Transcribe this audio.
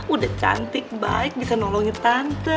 udah cantik baik bisa nolongin tante